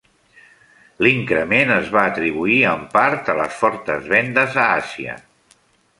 L'increment es va atribuir en part a les fortes vendes a Àsia.